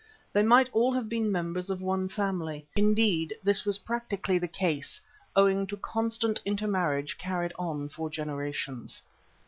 They might all have been members of one family; indeed, this was practically the case, owing to constant intermarriage carried on for generations.